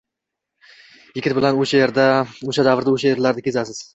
Yigit bilan birga oʻsha davrda, oʻsha yerlarda kezasiz.